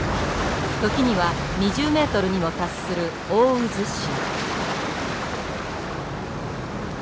時には２０ｍにも達する大渦潮。